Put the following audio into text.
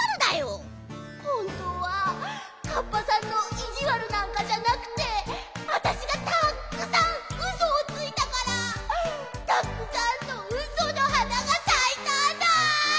こころのこえほんとうはかっぱさんのいじわるなんかじゃなくてあたしがたっくさんウソをついたからたっくさんのウソの花がさいたんだ！